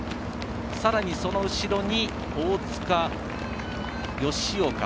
さらに、その後ろに大塚、吉岡